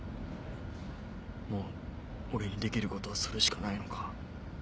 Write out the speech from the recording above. もう俺にできることはそれしかないのか